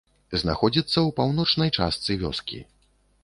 Знаходзіцца ў паўночнай частцы вёскі.